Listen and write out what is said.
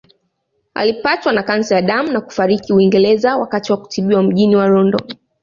Alipatwa na kansa ya damu na kufariki Uingereza wakati wa kutibiwa mji wa London